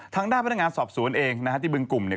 ทางด้านพนักงานสอบสวนเองนะฮะที่บึงกลุ่มเนี่ย